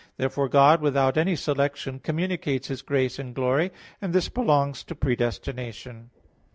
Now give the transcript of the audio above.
Therefore God without any selection communicates His grace and glory; and this belongs to predestination.